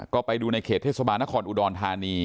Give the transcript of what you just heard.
ก็ไปดูในเขตเทศบาลนครอุดรธานี